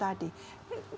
terhadap kader kader tadi